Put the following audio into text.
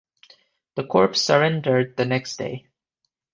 The corps surrendered the next day.